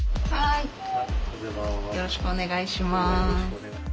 よろしくお願いします。